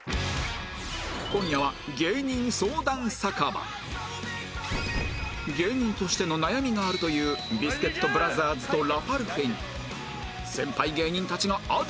今夜は芸人としての悩みがあるというビスケットブラザーズとラパルフェに先輩芸人たちがアドバイス